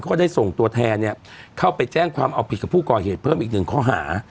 ก็ได้ส่งตัวแทนเนี่ยเข้าไปแจ้งความเอาผิดกับผู้ก่อเหตุเพิ่มอีกหนึ่งข้อหา